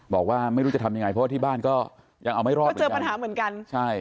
บอกว่าไม่รู้จะทำยังไงเพราะว่าที่บ้านก็ยังเอาไม่รอดก็เจอปัญหาเหมือนกันใช่